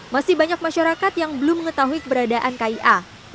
masih banyak masyarakat yang belum mengetahui keberadaan kartu identitas anak